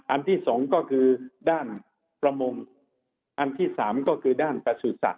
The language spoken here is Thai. อันที่สองก็คือด้านประมงอันที่สามก็คือด้านประสูจนสัตว